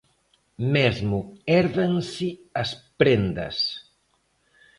Mesmo hérdanse as prendas.